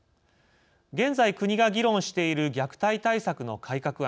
現在、国が議論している虐待対策の改革案